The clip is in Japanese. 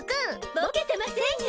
ボケてませんよ！